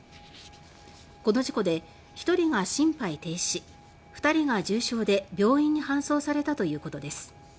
この事故で、１人が心肺停止２人が重傷で病院に搬送されたということです。